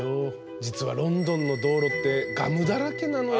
実はロンドンの道路ってガムだらけなのよ。